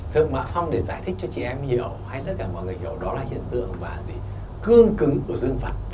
thượng mã phong để giải thích cho chị em hiểu hay tất cả mọi người hiểu đó là hiện tượng và cương cứng của dương vật